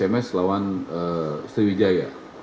persimis lawan istri wijaya